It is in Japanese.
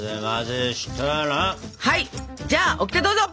はいじゃあオキテどうぞ！